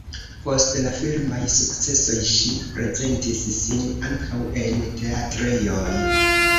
Post la filmaj sukcesoj ŝi prezentis sin ankaŭ en teatrejoj.